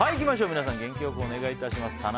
皆さん元気良くお願いします。